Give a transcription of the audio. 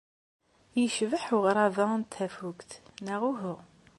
Yecbeḥ uɣrab-a n tafukt, neɣ uhu?